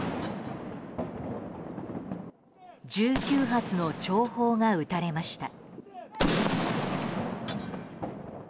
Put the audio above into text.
１９発の弔砲が撃たれました。